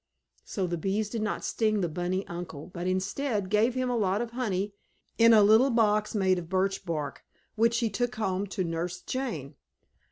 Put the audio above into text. So the bees did not sting the bunny uncle, but, instead, gave him a lot of honey, in a little box made of birch bark, which he took home to Nurse Jane.